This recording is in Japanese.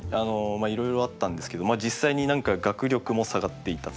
いろいろあったんですけど実際に学力も下がっていた。